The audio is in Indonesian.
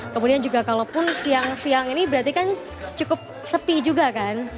kemudian juga kalaupun siang siang ini berarti kan cukup sepi juga kan